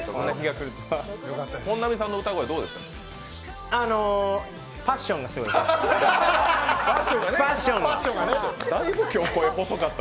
本並さんの歌声どうでした？